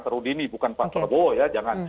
terut ini bukan pak prabowo ya jangan